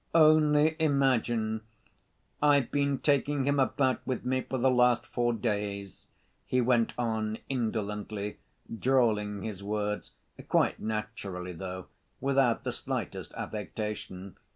"Only imagine, I've been taking him about with me for the last four days," he went on, indolently drawling his words, quite naturally though, without the slightest affectation.